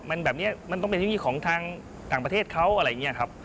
มันแบบนี้มันต้องเป็นที่นี่ของทางต่างประเทศเขาอะไรอย่างนี้ครับ